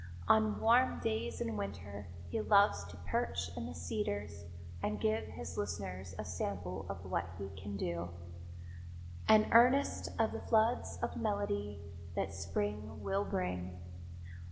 On warm days in winter he loves to perch in the cedars and give his listeners a sample of what he can do, an earnest of the floods of melody that spring will bring.